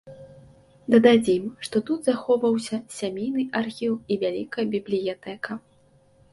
Дададзім, што тут захоўваўся сямейны архіў і вялікая бібліятэка.